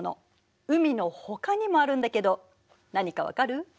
海のほかにもあるんだけど何か分かる？